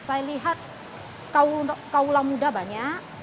saya lihat kaulah muda banyak